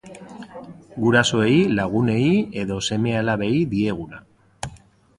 Gurasoei, lagunei edo seme-alabei dieguna.